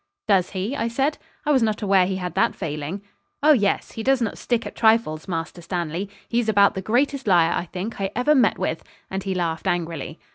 'Does he?' I said. 'I was not aware he had that failing.' 'Oh, yes. He does not stick at trifles, Master Stanley. He's about the greatest liar, I think, I ever met with,' and he laughed angrily.